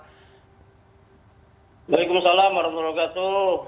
waalaikumsalam warahmatullahi wabarakatuh